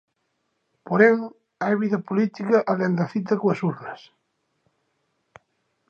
Porén, hai vida política alén da cita coas urnas.